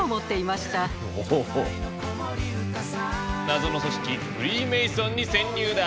謎の組織フリーメイソンに潜入だ！